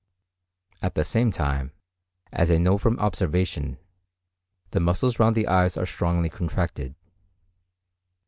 At the same time, as I know from observation, the muscles round the eyes are strongly contracted.